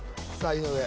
井上